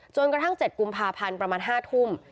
จนกระทั่ง๗กุมภาพันธ์ประมาณ๕ทุ่ม